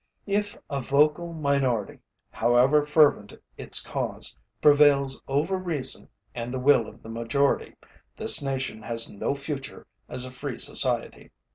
If a vocal minority, however fervent its cause, prevails over reason and the will of the majority, this nation has no future as a free society.